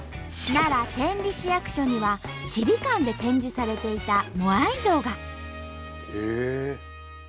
奈良天理市役所にはチリ館で展示されていたモアイ像が。へえ！